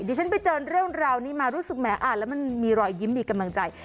ฉันไปเจอเรื่องราวนี้มารู้สึกแหมอ่านแล้วมันมีรอยยิ้มมีกำลังใจ